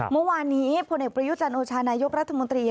เมื่อวานนี้พเปริยุจันทร์โอชาญนายบรัฐมนตรี